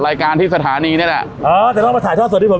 รายการที่สถานีนี่แหละอ๋อจะต้องมาถ่ายทอดสดที่ผม